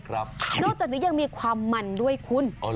นอกจากนี้ยังมีความมันด้วยคุณ